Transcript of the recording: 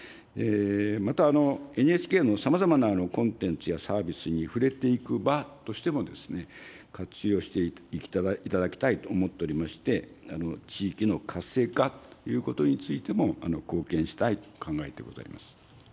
また、ＮＨＫのさまざまなコンテンツやサービスに触れていく場としても活用していただきたいと思っておりまして、地域の活性化ということについても貢献したいと考えてございます。